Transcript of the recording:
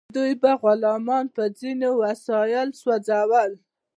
دوی به غلامان په ځینو وسایلو سوځول.